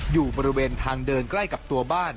อยู่บริเวณทางเดินใกล้กับตัวบ้าน